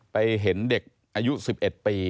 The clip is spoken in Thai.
เห็นเด็กอายุ๑๑ปี